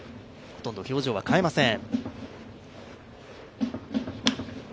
ほとんど表情は変えません。